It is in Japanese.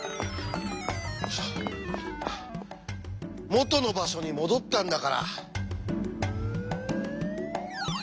元の場所に戻ったんだから。